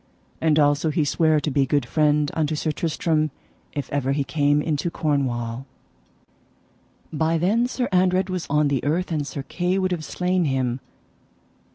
And also he sware to be good friend unto Sir Tristram if ever he came into Cornwall. By then Sir Andred was on the earth, and Sir Kay would have slain him.